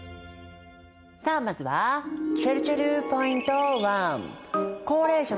さあまずはちぇるちぇるポイント１。